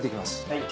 はい。